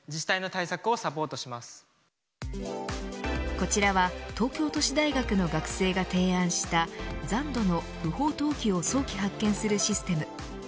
こちらは東京都市大学の学生が提案した残土の不法投棄を早期発見するシステム。